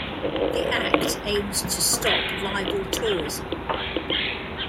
The Act aims to stop libel tourism.